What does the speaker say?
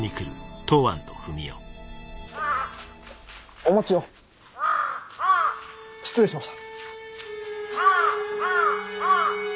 お待ちを失礼しました